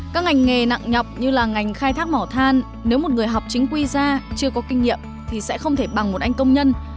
các ngành nghề nặng nhọc như là ngành khai thác mỏ than nếu một người học chính quy ra chưa có kinh nghiệm thì sẽ không thể bằng một anh công nhân